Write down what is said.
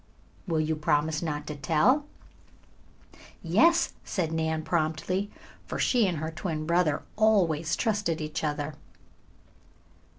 "Will you promise not to tell?" "Yes," said Nan promptly, for she and her twin brother always trusted each other.